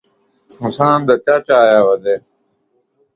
ٹر پھر وݙی، رکاباں منڄ دیاں